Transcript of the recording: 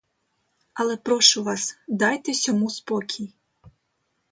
Але прошу вас, дайте сьому спокій.